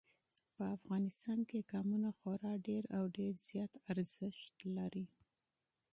په افغانستان کې قومونه خورا ډېر او ډېر زیات اهمیت لري.